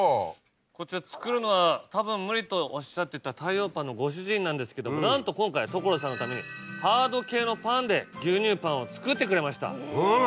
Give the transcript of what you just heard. こちら作るのはたぶん無理とおっしゃってた太養パンのご主人なんですけど何と今回所さんのためにハード系のパンで牛乳パンを作ってくれました。